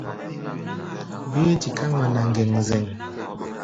Bíí tiká ŋmana ŋgeŋzeŋ.